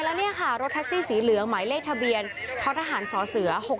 แล้วนี่ค่ะรถแท็กซี่สีเหลืองหมายเลขทะเบียนพศ๖๑๔๓